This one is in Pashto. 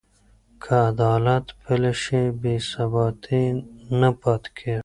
که عدالت پلی شي، بې ثباتي نه پاتې کېږي.